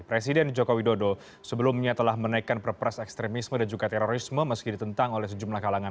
presiden joko widodo sebelumnya telah menaikkan perpres ekstremisme dan juga terorisme meski ditentang oleh sejumlah kalangan